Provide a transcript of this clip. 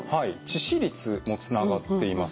致死率もつながっています。